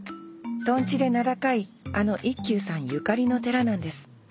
とんちで名高いあの一休さんゆかりの寺なんです。